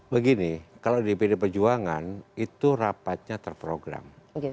begini kalau di pd perjuangan itu rapatnya terprogram